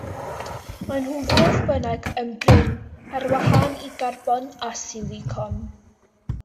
Maen nhw, fodd bynnag, yn brin, ar wahân i garbon a silicon.